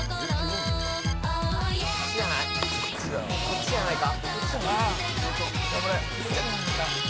・こっちじゃないか？